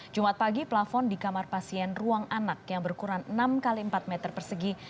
jumat pagi plafon di kamar pasien ruang anak yang berukuran enam x empat meter persegi